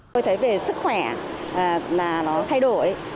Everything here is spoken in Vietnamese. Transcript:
tôi thấy về sức khỏe là nó thay đổi